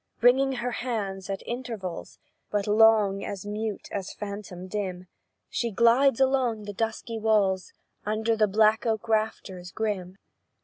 Wringing her hands, at intervals But long as mute as phantom dim She glides along the dusky walls, Under the black oak rafters grim.